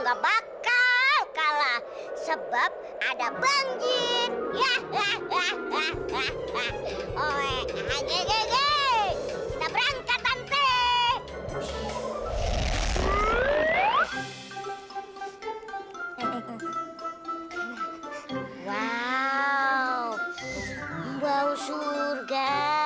wow bau surga